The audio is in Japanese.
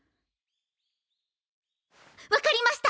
分かりました！